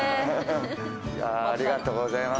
ありがとうございます。